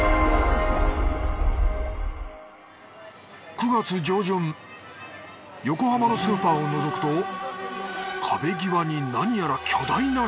９月上旬横浜のスーパーを覗くと壁際になにやら巨大な商品棚が。